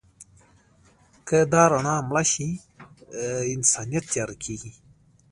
که دا رڼا مړه شي، انسانیت تیاره کېږي.